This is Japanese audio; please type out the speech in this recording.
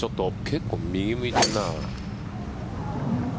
結構、右向いてるな。